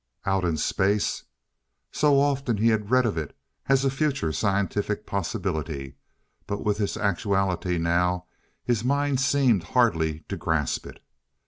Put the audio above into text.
Out in Space! So often he had read of it, as a future scientific possibility but with this actuality now his mind seemed hardly to grasp it....